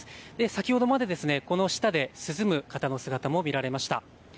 先ほどまでこの下で涼む方の姿も見られました。